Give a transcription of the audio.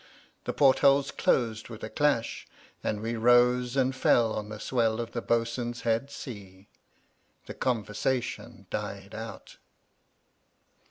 The portholes closed with a clash, and we rose and fell on the swell of the bo'sun's head sea. The conversation died out.